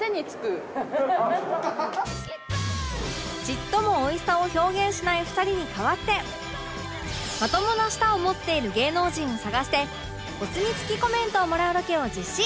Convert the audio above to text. ちっともおいしさを表現しない２人に代わってまともな舌を持っている芸能人を探してお墨付きコメントをもらうロケを実施！